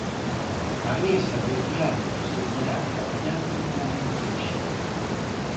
A mesa de diálogo seguirá traballando como o fixo.